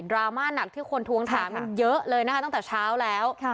ราม่าหนักที่คนทวงถามกันเยอะเลยนะคะตั้งแต่เช้าแล้ว